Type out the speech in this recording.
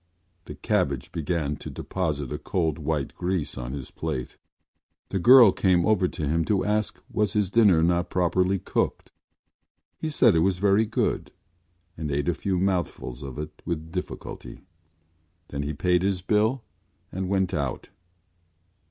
The cabbage began to deposit a cold white grease on his plate. The girl came over to him to ask was his dinner not properly cooked. He said it was very good and ate a few mouthfuls of it with difficulty. Then he paid his bill and went out.